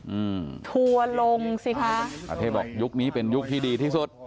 อืมทัวร์ลงสิคะอาเทพบอกยุคนี้เป็นยุคที่ดีที่สุด